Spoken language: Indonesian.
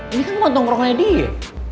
ini kan nongkrongnya dia